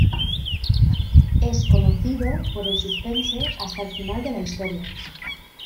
Es conocido por el suspense hasta el final de la historia.